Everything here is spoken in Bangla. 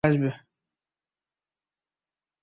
মনে হচ্ছে যে-কোনো সময় কোমর থেকে খুলে আসবে।